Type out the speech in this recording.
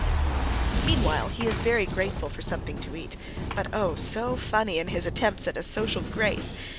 Meanwhile he is very grateful for something to eat, but oh, so funny in his attempts at social grace!